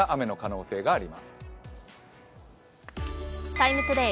「ＴＩＭＥ，ＴＯＤＡＹ」